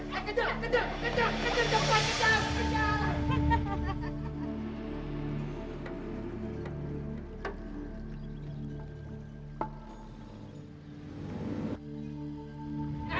kejar kejar kejar cepat kejar